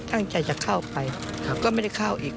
ตั้งใจจะเข้าไปก็ไม่ได้เข้าอีก